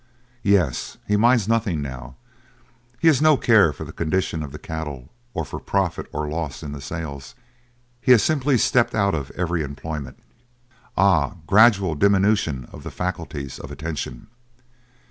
"Yes, he minds nothing now. He has no care for the condition of the cattle, or for profit or loss in the sales. He has simply stepped out of every employment." "Ah, a gradual diminution of the faculties of attention."